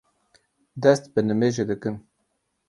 dest bi nimêjê dikin.